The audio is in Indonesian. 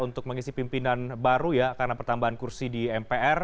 untuk mengisi pimpinan baru ya karena pertambahan kursi di mpr